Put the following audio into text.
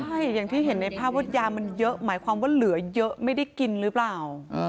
ใช่อย่างที่เห็นในภาพว่ายามันเยอะหมายความว่าเหลือเยอะไม่ได้กินหรือเปล่า